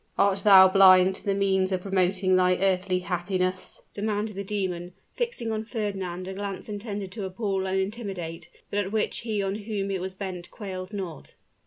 "Art thou blind to the means of promoting thy earthly happiness?" demanded the demon, fixing on Fernand a glance intended to appal and intimidate, but at which he on whom it was bent quailed not.